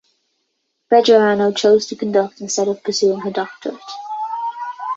Bejarano chose to conduct instead of pursuing her doctorate.